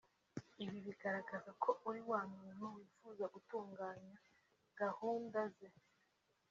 Ibi bigaragaza ko uri wa muntu wifuza gutunganya gahunda ze